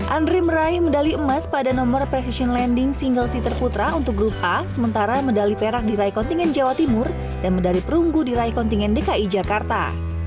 andri meraih medali emas pada nomor precision lending single seater putra untuk grup a sementara medali perak diraih kontingen jawa timur dan medali perunggu di raih kontingen dki jakarta